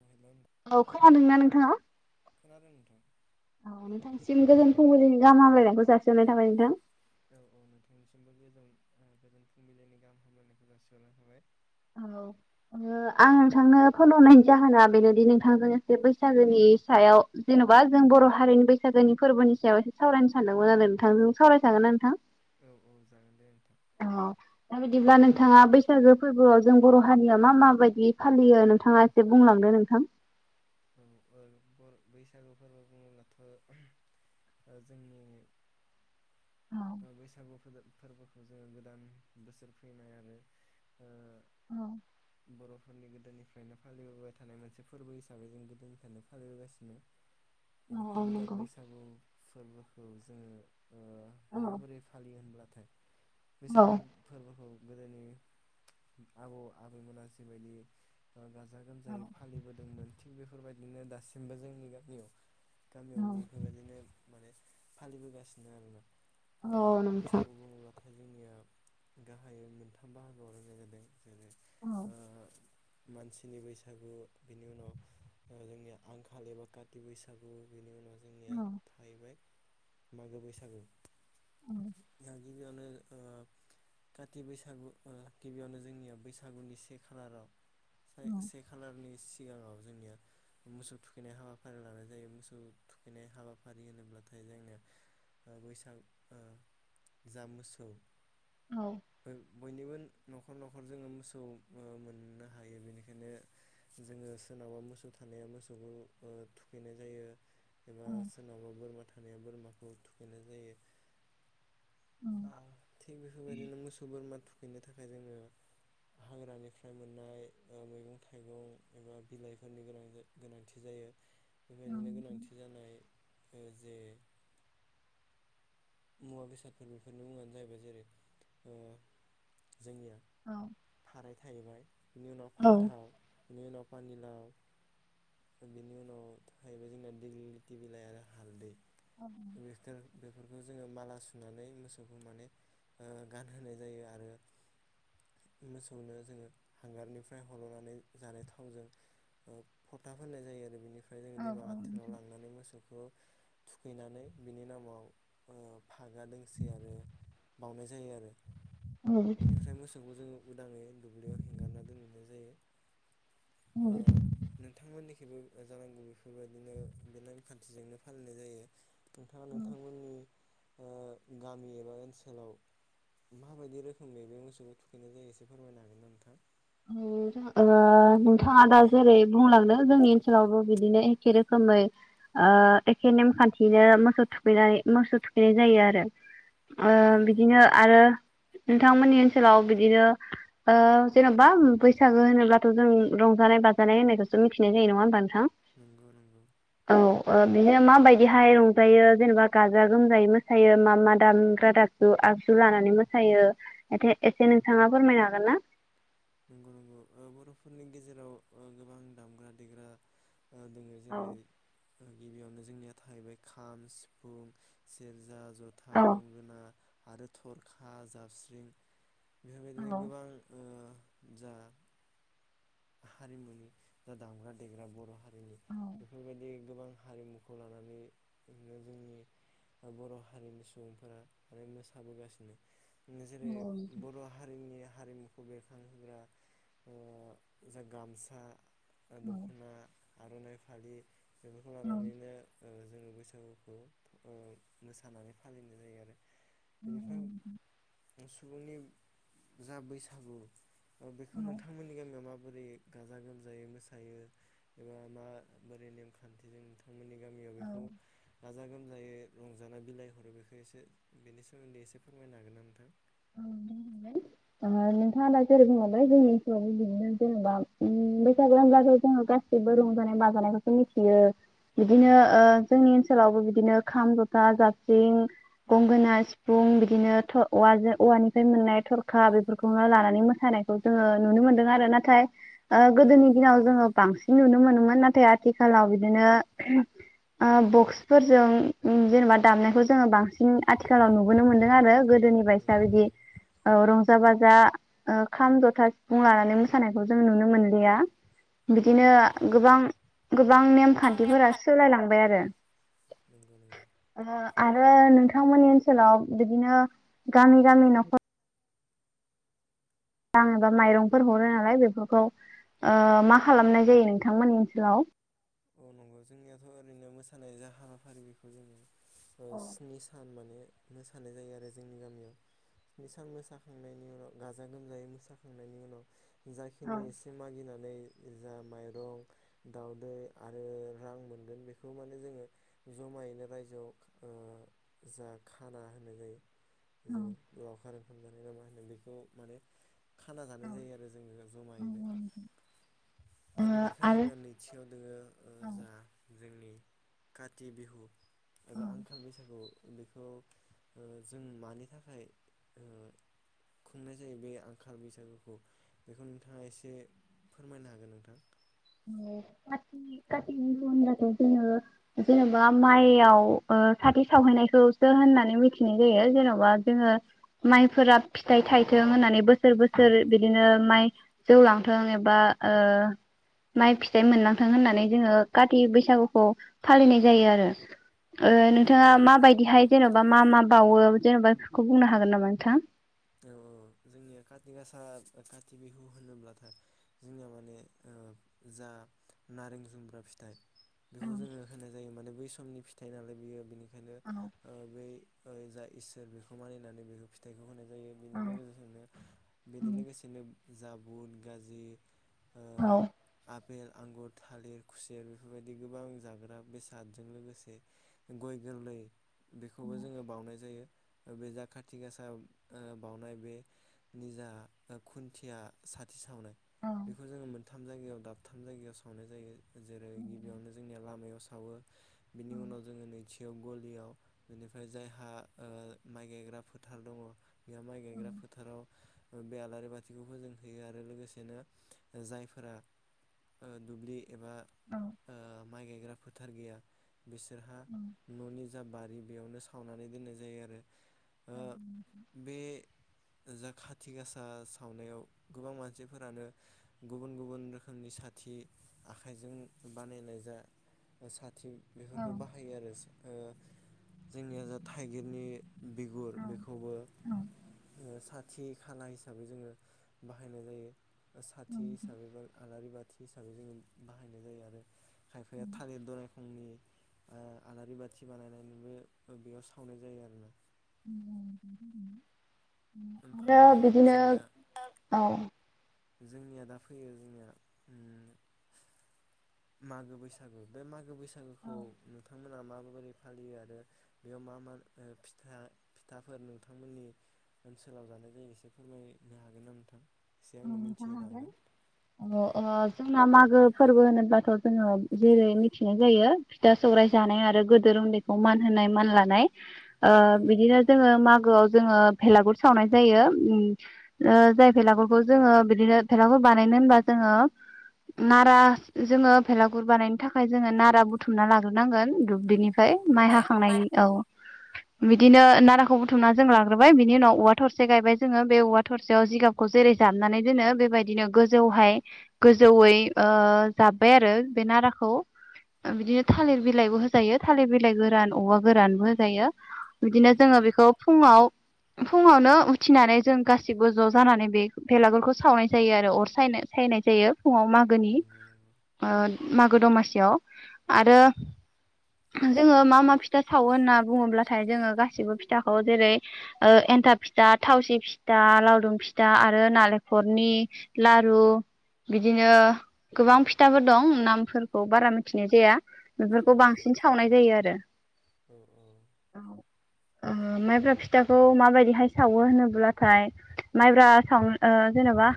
Hello औ खोनादोंना नोंथाङा? खोनादों नोंथां औ नोंथांनिसिम गोजोन फुंबिलिनि गाहाम हामलायनायखौ जासिहरनाय थाबाय नोंथां औ औ नोंथांनिसिमबो गोजोन गोजोन फुंबिलिनि गाहाम हामलायनायखौ जासिहरनाय थाबाय। औ ओ आं नोंथांनो फोन हरनायनि जाहोना बेनोदि नोंथांजों एसे बैसागोनि सायाव जेनेबा जों बर' हारिनि बैसागोनि फोरबोनि सायाव एसे सावरायनो सानदोंमोन आरो नोंथांजों सावरायखागोन ना नोंथां? औ औ जागोन दे नोंथां औ दा बिदिब्ला नों बिथाङा बैसागो फोरबोआव जों बर' हारिया मा मा बायदियै फालियो नोंथाङा एसे बुंलांदो नोंथां औ ओ बल बैसागु फोरबो बुङोब्लाथ' ओ जोंनि औ ओ बैसागु [unintelligible] फोरबोखौ जोङो गोदान बोसोर फैनाय आरो औ फोरनि गोदोनिफ्रायनो फालिबोबाय थानाय मोनसे फोरबो हिसाबै जों गोदोनिफ्रायनो फालिबोगासिनो औ बेनिखायनो दा नंगौ बैसागु फोरबोखौ जोङो ओ औ माबोरै फालियो होनब्ला थे औ बैसागु फोरबोखौ गोदोनि आबौ आबैमोना जिबायदि ओ गाजा गोमजायै औ फालिबोदोंमोन बेफोरबायदिनो दासिमबो जोंनि गामियाव गामियाव औ बेफोरबायदिनो माने फालिबोगासिनो आरोना। औ नोंथां नाथाय जोंनिया गाहायै मोनथाम बाहागोआव रानाय जादों जेरै औ ओ मानसिनि बैसागु बिनि उनाव ओ जोंनिया आंखाल एबा खाथि बैसागु बेनि उनाव जोंनिया औ थाहैबाय मागो बैसागु औ गिबियावनो ओ काति बैसागु ओ गिबियावनो जोंनियाव बैसागुनि से खालाराव साय से खलारनि सि गाङाव जोंनिया मोसौ थुखैनाय हाबाफारि लानाय जायो मोसौ थुखैनाय हाबाफारि होनोब्लाथाय जोंनिया ओ बैसाग ओ जा मोसौ औ औ बय-बयनिबो न'खर न'खर जोङो मोसौ ओ मोन्नो हायो बेनिखायनो जोङो सोरनाबा मोसौ थानाया मोसौखौ ओ थुखैनाय जायो। एबा औ सोरनावबा बोरमा था माने बोरमाखौ थुखैनाय जायो। औ ओ थिग बेफोरबायदिनो मोसौ बोरमा थु खैनो थाखाय जोङो हाग्रानिफ्राय मोन्नाय ओ मैगं- थाइगं एबा बिलाइफोरनि गोनां गोनांथि जायो। बेबायदिनो गोनांथि जानाय ओ जे मुवा बेसादफोर बेफोरनि मुंङानो जाहैबाय जेरै ओ जोंनिया थाराइ थायलायबाय बिनि उनाव औ फान्थाव बिनि उनाव पानिलाव बिनि उनाव थाहैबाय जोंना दिग्लिलिथि बिलाइ आरो हालदै। [unintelligible] बेफोर बेखौ जोंङो माला सुनानै मोसौखौ माने ओ गानहोनाय जायो आरो मोसौनो जोंङो हांगारनिफ्राय हल'नानै जानाय थावजों फोथा होनाय जायो आरो बेनिफ्राय ओमफ्राय जों औ दैमा औ गाथोनाव नोंथां लांनानै मोसौखौ थुखैनानै बिनि नामाव औ फागा दोंसे आरो बावनाय जायो आरो ओ बेनिफ्राय मोसौखौ जोंङो उदांङै दुब्लियाव हेंगारना दोनहैनाय जायो। ओ नोंथांमोननि बो जानांगौ बेफोरबायदिनो बे नेमखान्थिजोंनो फालिनाय जायो। नोंथांङा नोंथांमोननि ओ गामि एबा ओनसोलाव मा बायदि रोखोमनि बे मोसौखौ थुखैनाय जायो एसे फोरमायनो हागोन ना नोंथां? औ जोंहा ओबा। थांङा दा जेरै बुंलांदो। जोंनि ओनसोलावबो बिदिनो एखे रोखोमै ओ एखे नेमखान्थियैनो मोसौ थुखैनाय मोसौ थुखैनाय जायो आरो। ओ औ औ बिदिनो आरो नोंथांमोननि सोलाव‌ बिदिनो ओ जेनब बा बैसागो होनोब्लाथ' जों रंजानाय बाजानाय होननायखौसो मिथिनाय जायो नंङा होमबा नोंथां। नंगौ नंगौ। औ ओ बिनो माबायदिहाय रंजायो जेनेबा गाजा गोमजायै मोसायो मा मा दामग्रा दागजु आगजु लानानै मोसायो ए एसे नोंथांङा फोरमायनो हागोन ना? नंगौ नंगौ ओ बर'फोरनि गेजेराव ओ गोबां दामग्रा देग्रा ओ दोङो जेरै ओ गिबियावनो जोंनिया थाहैबाय खाम, सिफुं, सेरजा, जथा, गंगोना आरो थरखा, जाबस्रिं, बेफोरबायदिनो गोबां ओ जा हारिमुनि जा दामग्रा देग्रा बर' हा जोंनि बेफोरबायदि गोबां हारिमुखौ लानानैनो जोंनि बर' हारिनि सुबुंफोरा माने मोसाबोगासिनो। जेरै बर' हारिनिया हारिमुखौ बेर खांहोग्रा ओ जा गामसा ओ दख'ना आर'नाइ फालि। बेफोरखौ लानानैनो ओ जोङो बैसागुखौ ओ मोसानानै फालिनाय जायो आरो। बेनिफ्राय सुबुंनि जा बैसागु अ बेखौ नोंथांमोननि गामियाव माब बोरै गाजा गोमजायै मोसायो एबा माबोरै नेमखान्थिजों था औ। गाजा-गोमजायै रंजाना बिलाइ हरो बेखौ एसे बेनि सोमोन्दै एसे फोरमायनो हागोन ना नोंथां? ओ बुंफिनलाय ओ नोंथाङा दा जेरै बुंलांदो जोंनि ओनसोलावबो बिदिनो जेनेबा ओ बैसागु होनब्लाथाय जोङो गासैबो रंजानाय बाजानायफोरखौ मिथियो बिदिनो ओ जोंनि ओनसोलावबो बिदिनो खाम, जथा, जाबस्रिं, गंगोना, सिफुं, बिदिनो थर औवाजों औवानिफ्राय मोननाय थरखा बेफोरखौनो लानानै मोसानायखौ जोङो नुनो मोनदों आरो नाथाय ओ गोदोनि दिनाव जोङो बांसिन नुनो मोनोमोन नाथाय आथिखालाव बिदिनो [unintelligible] आ बक्सफोरजों जेनबा दामनायखौ जोङो बांसिन आथिखालाव नुबोनो मोन्दों आरो गोदोनि बाय नंगौ माबादि नंगौ ओ रंजा-बाजा ओ खाम, जथा, सिफुं लानानै मोसानायखौ जों नुनो मोनलिया बिदिनो औ औ गोबां गोबां आं नेमखान्थिफोरा नेमखान सोलायलांबाय आरो नंगौ नंगौ ओ आरो नोंथांमोननि ओनसोलाव बिदिनो गामि गामि न'खर रां एबा माइरंफोर हरो नालाय बेफोरखौ ओ मा खालामनाय जायो नोंथांमोननि ओनसोलाव? औ नंगौ जोंनियाथ' ओरैनो मोसानाय जा हाबाफारि बेखौ जोङो ओ स्नि सान माने मोसानाय जायो आरो जोंनि गामियाव स्नि सान मोसाखांनायनि उनाव गाजा गोमजायै मोसाखांनायनि उनाव जाखिनि एसे मागिनानै बै जा माइरं दाउदै आरो रां मोनगोन बेखौ माने जोङो जमायैनो रायजोआव ओ जा खाना होननाय जायो। जोङो ज आखारो खालामजानाय ना मा होनो बेखौ माने खाना जानाय जायो आरो जोङो जमायैनो ओ बेनिफ्राय जोंनाया नैथियाव दोङो ओजा जोंनि काथि बिहु एबा आंखाल बैसागु। बेखौ ओ जों मानि थाखाय ओ खुंनाय जायो बे आंखाल बैसागुखौ बेखौ नोंथाङा एसे फोरमायनो हागोन नोंथां ओ काति काति बिहु होनब्लाथाय जोङो जेन'बा माइयाव ओ साथि सावहैनायखौसो होननानै मिथिनाय जायो जेन'बा जोङो माइफोरा फिथाइ थायथों होननानै बोसोर बोसोर बिदिनो माइ जौलांथों एबा ओ माइ फिथाइ मोननांथों होननानै जोङो काति बैसागुखौ फालिनाय जायो आरो। ओ औ नोंथाङा माबायदिहाय जेन'बा मा मा बावो जेन'बा बेखौ बुंनो हागोन नामा नोंथां? औ औ जोंनिया काति गासा काति बिहु होनोब्लाथाय जोंनिया माने ओ जा नारें जुम्ब्रा फिथाइ बेखौ जोङो होनाय जायो माने बै समनि फिथाइ नालाय बियो बिनि खायनो ओ बे ओ जा इसोर बेखौ मानिनानै बेखौ फिथाइखौ होनाय जायो बेनि लोगोसेनो बेनि लोगोसेनो जाबुन गाजि औ फेल, आंगुर, थालिर, खुसेर बेफोरबायदि गोबां जाग्रा बेसादजों लोगोसे ग'य गोरलै बेखौबो जोङो बावनाय जायो। ओ बे जा खाथि गासा ओ बावनाय बे निजा ओ खुन्थिया साथि सावनो बेखौ जोङो मोन थाम जायगायाव दाबथाम जायगायाव सावनाय जायो। जेरै गिबियावनो जोंनिया लामायाव सा सावो। बिनि उनाव जोङो नैथि याव गलियाव बेनिफ्राय जायहा ओ माइ गायग्रा फोथार दङ बिहा माइ गायग्रा फोथाराव ओ बे आलारि बाथिखौबो जों होयो आरो लोगोसेनो ओ जायफोरा ओ दुब्लि एबा ओ माइ गायग्रा फोथार गैया बिसोरहा न'नि जा बारि बेयावनो सावनानै दोननाय जायो आरो। ओ [inaudible] बे जा खाथि गासा सावनायाव गोबां मानसिफोरानो गुबुन गुबुन रोखोमनि साथि आखाइजों बानायनाय जा ओ सा थि बेफोरखौ बाहायो आरो सा ओ जोंनिया जा थाइगिरनि बिगुर बेखौबो ओ साथि खाना हिसाबै जोंङो बाहायनाय जायो। साथि हिसाबै बो आलारि बाथि हिसाबै जोंङो बाहायनाय जायो आरो खायफाया थालिर दनायखंनि ओ आलारि बाथि बानायनानैबो ओ बेयाव सावनाय जायो आरोना। [unintelligible] उम्म आरो ओमफाय बिदिनो जोंनिया औ। जोंनिया दा फैयो जोंनिया उम्म मागो बैसागु बे मागो बैसा गोखौ नोंथा मोना माबोरै फालियो आरो बेयाव मा मा ओ फिथा फिथाफोर नोंथांमोननि ओनसोलाव जानाय जायो एसे फोरमायनो हागोन नामा नोंथां? एसे औ आंनो नोथां मिथिहोनो हागोन अ ओ जोंना मागो फोरबो होनोब्लाथ' जोंङो जेरै मिथिनाय जायो फिथा सौरायाइ जानाय आरो गोदोर उन्दैखौ मान होनाय मान लानाय। ओ नंगौ नंगौ बिदिनो जोंङो मागोआव जोंङो भेलागुर सावनाय जायो उम्म ओ जाय भेलागुर खौ जोंङो बिदिनो भेलागुर बानायनो होनबा जोंङो नारा जोंङो भेलागुर बानायनो थाखाय जोंङो नारा बुथुमना लाग्रोनांगोन दुब्लिनि औ फ्राय औ माइ हाखांनायनि औ बिदिनो नाराखौ बुथुमना जों लाग्रोबाय बिनि उनाव औवा थरसे गायबाय जोंङो बे औवा थरसेयाव जिगाबखौ जेरै जाबनानै दोनो बेबायदिनो गोजौहाय गोजौयै ओ जाब्बाय आरो बे नाराखौ बिदिनो थालिर बिलाइबो होजायो थालिर बिलाइ गोरान औवा गोरानबो होजायो। बिदिनो नंगौ जोंङो नंगौ बेखौ फुङाव फुंङावनो उथिनानै जों गासिबो ज' जानानै बे बेलागुरखौ सावनाय जायो आरो अर सायनो सायनाय जायो। फुंङाव मागोनि नंगौ नंगौ ओ मागो दमासियाव आरो जोंङो मा मा फिथा सावो होनना बुङोब्लाथाय जोंङो गासिबो फिथाखौ जेरै ओ एन्थाब फिथा, थावसि फिथा, लावदुम फिथा आर रो नालेंखरनि लारु बिदिनो गोबां फिथाबो दं नामफोरखौ बारा मिथिनाय जाया। बेफोरखौ जेरै बांसिन लावदुम फिथा सावनाय जायो आरो। औ औ माइब्रा फिथाखौ माबायदिहाय सावो होनोब्लाथाय माइब्रा सावनो ओ जेनेबा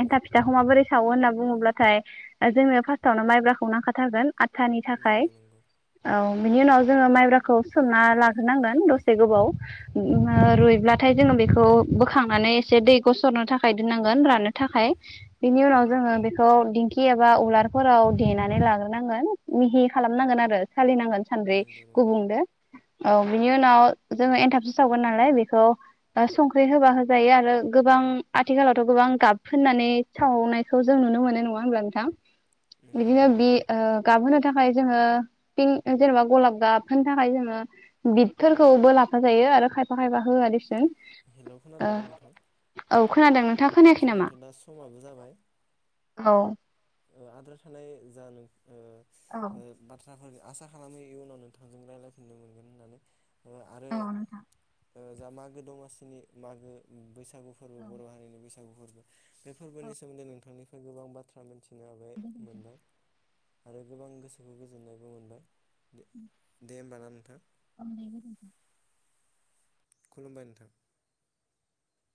एन्थाब फिथाखौ माबोरै सावो होनना बुङोब्लाथाय जोंनो फार्स्टआवनो माइब्राखौ नांखाथारगोन‌। आथानि थाखाय नंगौ नंगौ औ बिनि उनाव जोङो माइब्राखौ सोमना लाग्रोनांगोन दसे गोबाव रुइब्लाथाय जोङो बेखौ बोखांनानै एसे दै गसरनो थाखाय दोननांगोन राननो थाखाय बिनि उनाव जोङो बेखौ दिंखि एबा उलारफोराव देनानै लाग्रोनांगोन मिहि खालामनांगोन आरो सालिनांगोन। सानद्रै नंगौ नंगौ गुबुंदो औ बिनि उनाव जोङो एनथाबस सावगोन नालाय बेखौ संख्रि होबा होजायो आरो गोबां आथिखालावथ' गोबां गाब फोननानै सावनायखौ जों नुनो मोनो नङा हब्ला नोंथां नंगौ बिदिनो नंगौ बि ओ गाबहोनो थाखाय जोङो फिं जेनेबा गलाब गाब होनो थाखाय जोङो बिदफोरखौबो लाफा जायो आरो खायफा खायफा होआ देसुन हेल' ओ खोनादोंना नोंथां? औ खोनादों नों जोंनाथ' दा समाबो जाबाय। आद्रा थानाय जा नों ओ ओ बा थ्राफोर आसा खालामो इयनाव नोंथांजों रायलायफिननो मोनगोन होननानै। आरो ओ जा मागो दमासिनि मागो बैसा सागु फोरबो बर' हारिनि बैसा सागु फोरबो बे फोरबोनि सोमोन्दै नोंथांनिफ्राय गोबां बाथ्रा मिनथि जाबाय मोनबाय आरो गोबां गोसोखौ गोजोननायबो मोनबाय दे होमबाना नोंथां। [unintelligible] खुलुमबाय नोंथां।